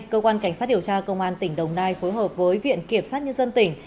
cơ quan cảnh sát điều tra công an tỉnh đồng nai phối hợp với viện kiểm sát nhân dân tỉnh